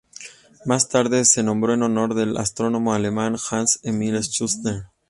Más tarde se nombró en honor del astrónomo alemán Hans-Emil Schuster.